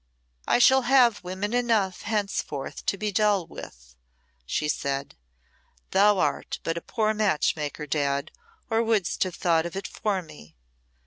"I shall have women enough henceforth to be dull with," she said. "Thou art but a poor match maker, Dad, or wouldst have thought of it for me.